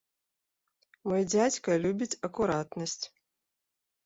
Мой дзядзька любіць акуратнасць.